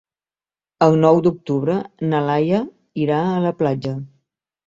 El nou d'octubre na Laia irà a la platja.